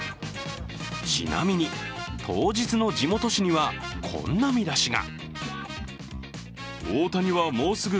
ちなみに、当日の地元紙にはこんな見出しが。